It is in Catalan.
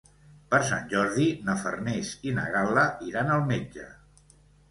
Per Sant Jordi na Farners i na Gal·la iran al metge.